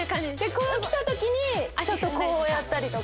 こう来た時にこうやったりとか。